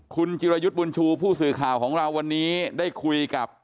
คุณจิรยุทธ์บุญชูผู้สื่อข่าวของเราวันนี้ได้คุยกับ